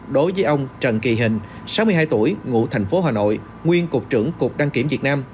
đối với ông trần kỳ hình sáu mươi hai tuổi ngụ thành phố hà nội nguyên cục trưởng cục đăng kiểm việt nam